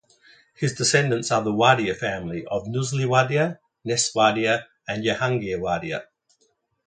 His descendants are the Wadia family of Nusli Wadia, Ness Wadia and Jehangir Wadia.